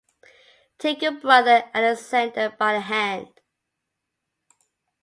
Take your brother Alexander by the hand.